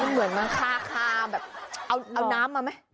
เหมือนมาคาแบบเอาน้ำมาไหม